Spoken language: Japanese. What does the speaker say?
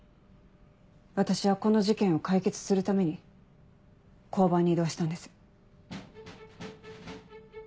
私はこの事件を解決するために交番に異動したんです。